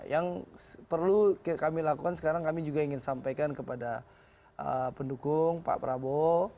yang perlu kami lakukan sekarang kami juga ingin sampaikan kepada pendukung pak prabowo